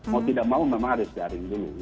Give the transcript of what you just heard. mau tidak mau memang harus daring dulu